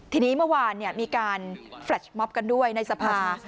ทีนี้เมื่อวานมีการแฟลชมอบกันด้วยในสภา